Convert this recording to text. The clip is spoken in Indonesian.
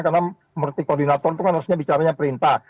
karena menurut koordinator itu kan harusnya bicaranya perintah